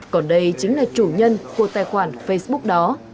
còn đây chính là chủ nhân của tài khoản facebook đó